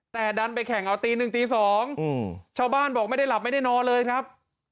แต่ดันไปแข่งเอาตีหนึ่งตี๒ชาวบ้านบอกไม่ได้หลับไม่ได้นอนเลยครับ